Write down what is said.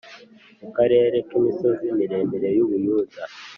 mu karere k imisozi miremire y u Buyuda